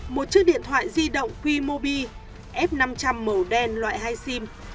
một chiếc điện thoại di động quimobi f năm trăm linh màu đen loại hai sim